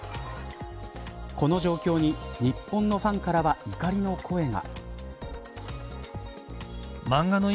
この状況に日本のファンからは怒りの声が。